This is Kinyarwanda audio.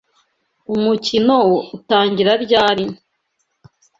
Umukino utangira ryari?